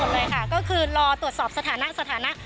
ก็ยังหวัดเดิมหมดเลยค่ะก็คือรอตรวจสอบสถานะ